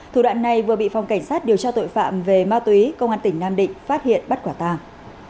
thủ đoạn này vừa bị phòng cảnh sát điều tra tội phạm về ma túy công an tỉnh nam định phát hiện bắt quả tàng